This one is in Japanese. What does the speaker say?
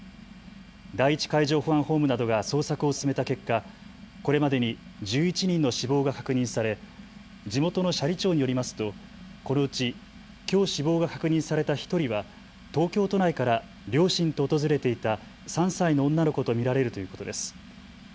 第１海上保安本部などが捜索を進めた結果、これまでに１１人の死亡が確認され地元の斜里町によりますとこのうちきょう死亡が確認された１人は東京都内から両親と訪れていた３歳の女の子と見られるということです。